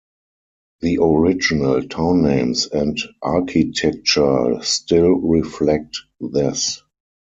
The original town names and architecture still reflect this.